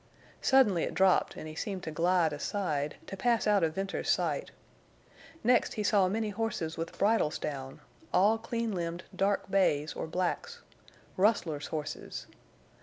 Suddenly it dropped, and he seemed to glide aside, to pass out of Venters's sight. Next he saw many horses with bridles down—all clean limbed, dark bays or blacks—rustlers' horses!